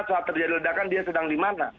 saat terjadi ledakan dia sedang di mana